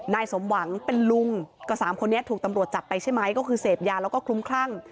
นายสมหวังเป็นลุงก็สามคนนี้ถูกตำรวจจับไปใช่ไหมก็คือเสพยาแล้วก็คลุ้มคลั่ง